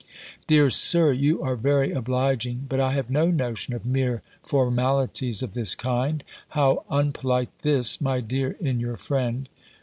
"Dear Sir, you are very obliging. But I have no notion of mere formalities of this kind" (How unpolite this, my dear, in your friend?)